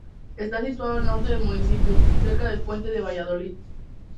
Está situado al norte del municipio, cerca del Puente de Valladolid.